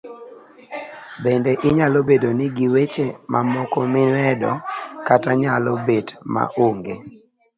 Bende inyalo bedo n gi weche mamoko mimedo kata nyalo bet ma onge.